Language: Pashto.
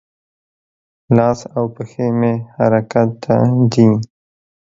لاس او پښې مې حرکت ته دي.